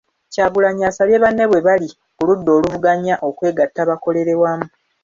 Kyagulanyi asabye banne bwe bali ku ludda oluvuganya okwegatta bakolere wamu.